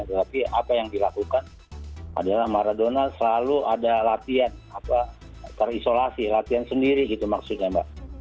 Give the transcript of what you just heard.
tetapi apa yang dilakukan adalah maradona selalu ada latihan terisolasi latihan sendiri gitu maksudnya mbak